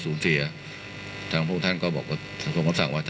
ทรงมีลายพระราชกระแสรับสู่ภาคใต้